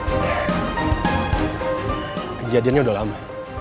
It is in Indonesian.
kejadiannya udah lama